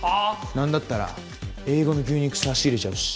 なんだったらＡ５の牛肉差し入れちゃうし。